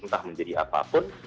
entah menjadi apapun